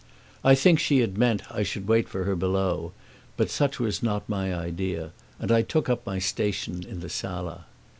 I think she had meant I should wait for her below, but such was not my idea, and I took up my station in the sala.